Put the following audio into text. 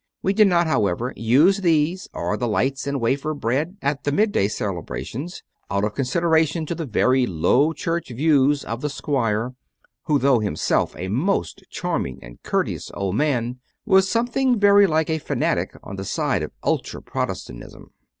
We did not, however, use these or the lights and wafer bread at the midday celebrations, out of consideration to the very Low Church views of the squire, who, though himself a most charming and courteous old man, was something very like a fanatic on the side of ultra Protestantism.